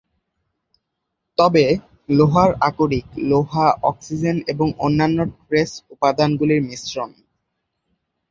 তবে লোহার আকরিক লোহা, অক্সিজেন এবং অন্যান্য ট্রেস উপাদানগুলির মিশ্রণ।